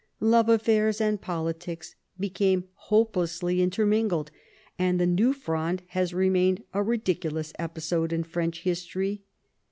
Love affairs and politics became hopelessly intermingled, and the New Fronde has remained a ridiculous episode in French history.